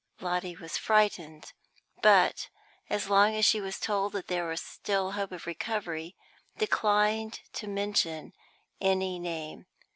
Lotty was frightened, but, as long as she was told that there was still hope of recovery, declined to mention any name.